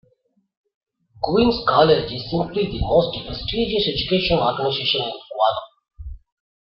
Queen's College is simply the most prestigious educational organization in Guyana.